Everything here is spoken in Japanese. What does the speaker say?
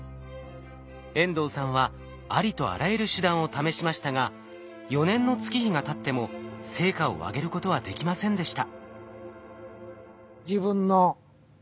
遠藤さんはありとあらゆる手段を試しましたが４年の月日がたっても成果を上げることはできませんでした。